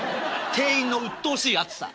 店員のうっとうしい熱さ。